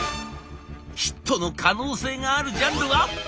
ヒットの可能性があるジャンルは。